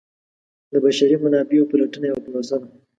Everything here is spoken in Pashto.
د بشري منابعو پلټنه یوه پروسه ده.